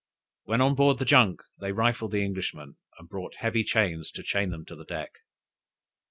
When on board the junk they rifled the Englishmen, and brought heavy chains to chain them to the deck.